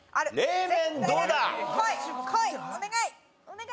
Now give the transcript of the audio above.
お願い！